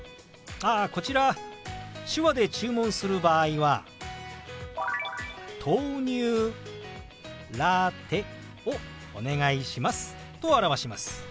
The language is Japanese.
あこちら手話で注文する場合は「豆乳ラテをお願いします」と表します。